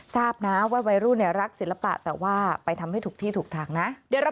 ทราบนะว่าวัยรุ่นรักศิลปะแต่ว่าไปทำให้ถูกที่ถูกทางนะ